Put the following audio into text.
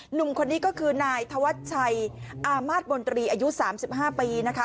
หนุ่มคนนี้ก็คือนายธวัชชัยอามาตรบนตรีอายุ๓๕ปีนะคะ